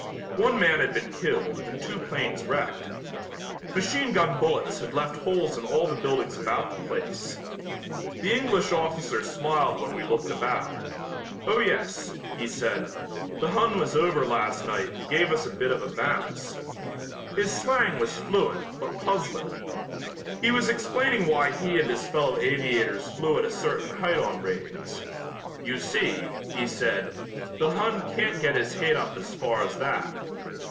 One man had been killed and two planes wrecked. Machine gun bullets had left holes in all the buildings about the place. The English officer smiled when we looked about. "Oh, yes," he said, "the Hun was over last night and gave us a bit of a bounce." His slang was fluent but puzzling. He was explaining why he and his fellow aviators flew at a certain height on raids. "You see," he said, "the Hun can't get his hate up as far as that."